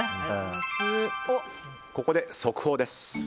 ここで速報です。